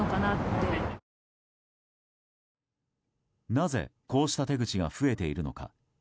なぜ、こうした手口が増えているのか。